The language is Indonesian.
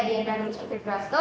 dian dhanuskutri prasto